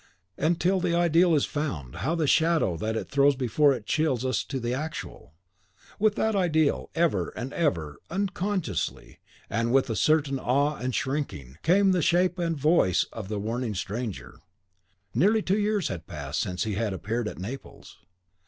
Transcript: And till the ideal is found, how the shadow that it throws before it chills us to the actual! With that ideal, ever and ever, unconsciously, and with a certain awe and shrinking, came the shape and voice of the warning stranger. Nearly two years had passed since he had appeared at Naples.